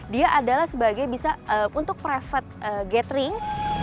dia adalah sebagai bisa untuk private gathering